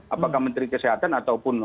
apakah menteri kesehatan ataupun